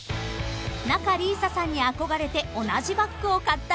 ［仲里依紗さんに憧れて同じバッグを買った生駒さん］